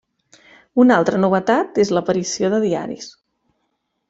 Una altra novetat és l’aparició de diaris.